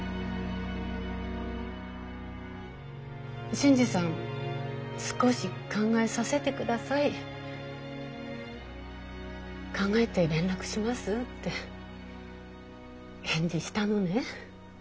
新次さん少し考えさせてください考えて連絡しますって返事したのね。